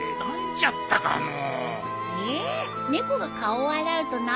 猫が顔を洗うと何なのさ。